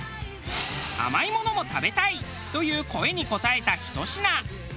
甘いものも食べたい！という声に応えたひと品。